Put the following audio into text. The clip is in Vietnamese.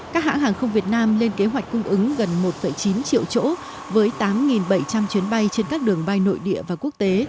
các hãng hàng không việt nam lên kế hoạch cung ứng gần một chín triệu chỗ với tám bảy trăm linh chuyến bay trên các đường bay nội địa và quốc tế